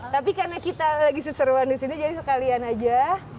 tapi karena kita lagi seseruan di sini jadi sekalian aja